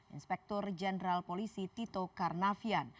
inspektur jenderal polisi tito karnavian